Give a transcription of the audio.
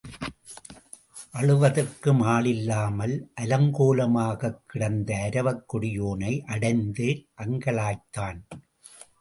அழுவதற்கும் ஆள் இல்லாமல் அலங்கோலமாகத் கிடந்த அரவக் கொடியோனை அடைந்து அங்கலாய்த்தான்.